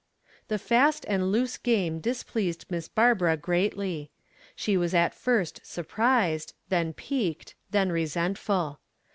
The fast and loose game displeased Miss Barbara greatly. She was at first surprised, then piqued, then resentful.